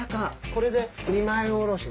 これで２枚おろし。